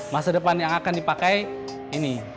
masa depan yang akan dipakai ini